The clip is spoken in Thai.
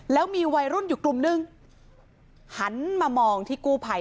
แล้วมีวัยรุ่นอยู่กลุ่มนึงหันมามองที่กู้ภัย